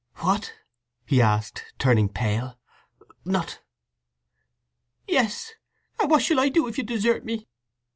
"What?" he asked, turning pale. "Not…?" "Yes! And what shall I do if you desert me?"